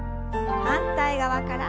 反対側から。